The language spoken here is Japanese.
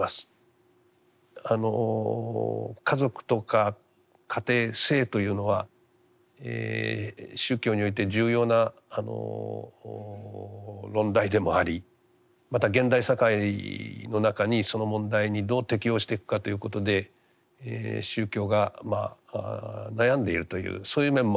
家族とか家庭性というのは宗教において重要な論題でもありまた現代社会の中にその問題にどう適応していくかということで宗教が悩んでいるというそういう面もある問題かと思います。